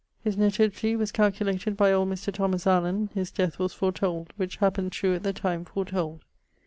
His nativity was calculated by old Mr. Thomas Allen: his death was foretold, which happened true at the time foretold.